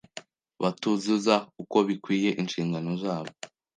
batuzuza uko bikwiye inshingano zabo